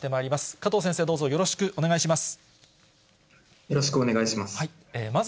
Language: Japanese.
加藤先生、よろしくお願いします。